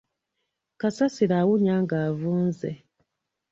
Kasasiro awunya ng'avunze.